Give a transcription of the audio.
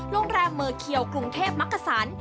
โรงแรมเมอร์เคียวกรุงเทพมักกษัน